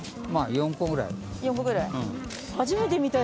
４個ぐらい？